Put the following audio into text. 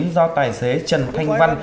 do tài xế trần thanh văn